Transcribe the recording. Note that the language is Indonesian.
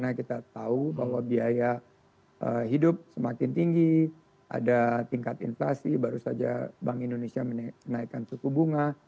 karena kita tahu bahwa biaya hidup semakin tinggi ada tingkat inflasi baru saja bank indonesia menaikkan suku bunga